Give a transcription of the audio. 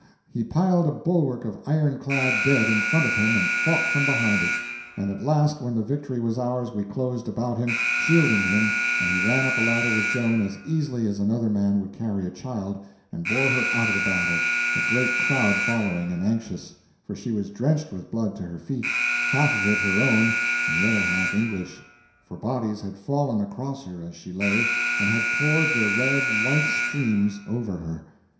He piled a bulwark of iron clad dead in front of him and fought from behind it; and at last when the victory was ours we closed about him, shielding him, and he ran up a ladder with Joan as easily as another man would carry a child, and bore her out of the battle, a great crowd following and anxious, for she was drenched with blood to her feet, half of it her own and the other half English, for bodies had fallen across her as she lay and had poured their red life streams over her.